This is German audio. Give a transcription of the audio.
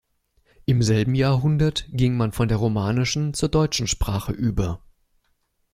Im selben Jahrhundert ging man von der romanischen zur deutschen Sprache über.